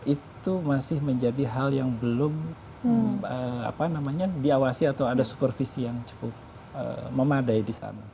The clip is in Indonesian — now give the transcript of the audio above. itu masih menjadi hal yang belum diawasi atau ada supervisi yang cukup memadai di sana